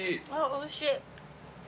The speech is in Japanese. おいしい。